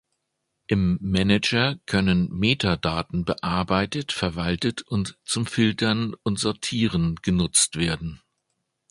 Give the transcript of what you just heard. Im Manager können Metadaten bearbeitet, verwaltet und zum Filtern und Sortieren genutzt werden.